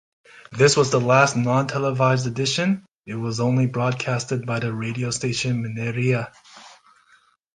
This was the last non-televised edition, it was only broadcasted by the radio station Minería.